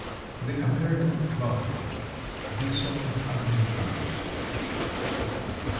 THE AMERICAN BUFFALO. (_Bison americanus.